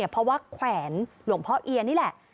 เพราะว่าแขวนหลวงพ่อเอียนี่แหละ